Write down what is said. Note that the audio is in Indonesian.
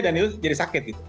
dan itu jadi sakit